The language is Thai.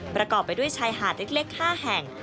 ประกอบไปด้วยชายหาดเล็ก๕แห่ง